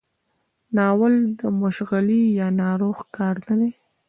ناول د مشغلې یا ناروغ کار نه دی.